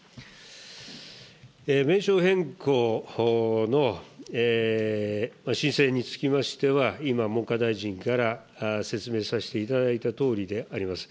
名称変更の申請につきましては、今、文科大臣から説明させていただいたとおりであります。